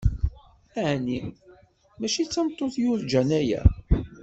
Aɛni mačči d tameṭṭut yurǧan aya?